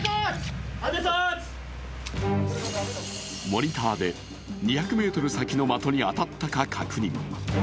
モニターで２００ｍ先の的に当たったか確認。